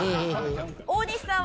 大西さんは？